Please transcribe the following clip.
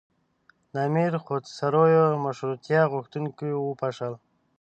د امیر خودسریو مشروطیه غوښتونکي وپاشل.